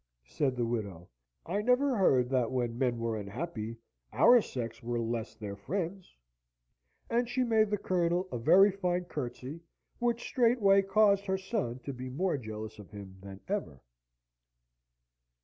said the widow. "I never heard that when men were unhappy, our sex were less their friends." And she made the Colonel a very fine curtsey, which straightway caused her son to be more jealous of him than ever.